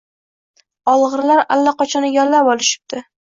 Olg`irlar allaqachon egallab olishibdi